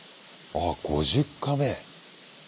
あ５０カメ！